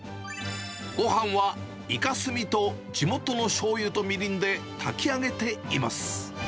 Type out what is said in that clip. ごはんは、イカスミと地元のしょうゆとみりんで炊き上げています。